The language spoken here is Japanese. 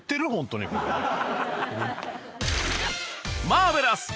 マーベラス！